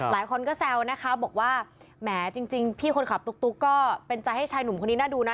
หลายคนก็แซวนะคะบอกว่าแหมจริงพี่คนขับตุ๊กก็เป็นใจให้ชายหนุ่มคนนี้น่าดูนะ